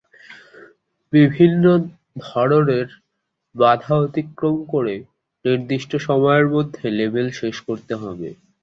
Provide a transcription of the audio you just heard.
বিভিন্ন ধররের বাধা অতিক্রম করে নির্দিষ্ট সময়ের মধ্যে লেভেল শেষ করতে হবে।